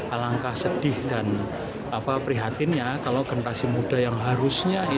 alangkah sedih dan prihatinnya kalau generasi muda yang harusnya hidup